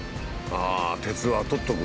ああ！